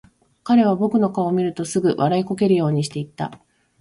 彼は僕の顔を見るとすぐ、笑いこけるようにして言った。